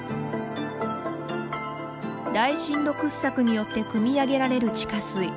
大深度掘削によってくみ上げられる地下水。